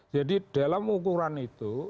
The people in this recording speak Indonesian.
jadi dalam ukuran itu